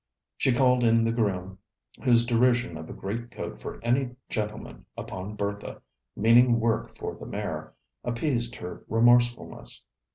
She called in the groom, whose derision of a great coat for any gentleman upon Bertha, meaning work for the mare, appeased her remorsefulness.